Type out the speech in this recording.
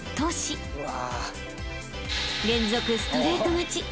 ［連続ストレート勝ち］